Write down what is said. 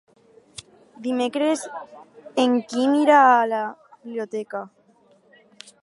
Dimecres en Quim irà a la biblioteca.